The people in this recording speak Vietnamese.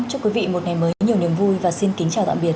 chúc quý vị một ngày mới nhiều niềm vui và xin kính chào tạm biệt